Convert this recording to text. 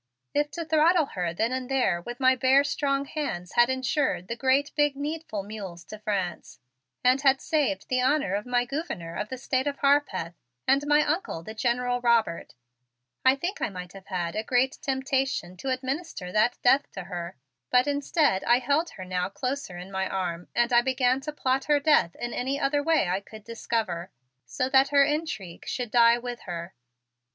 If to throttle her then and there with my bare strong hands had insured the great big needful mules to France, and saved the honor of my Gouverneur of the State of Harpeth, and my Uncle, the General Robert, I think I might have had a great temptation to administer that death to her; but instead I held her now closer in my arm and I began to plot her to death in any other way I could discover, so that her intrigue should die with her.